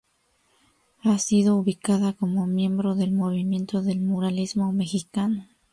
Ha sido ubicada como miembro del movimiento del Muralismo mexicano.